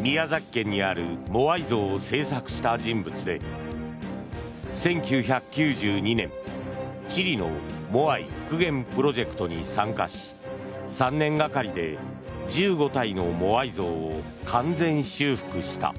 宮崎県にあるモアイ像を制作した人物で１９９２年、チリのモアイ復元プロジェクトに参加し３年がかりで１５体のモアイ像を完全修復した。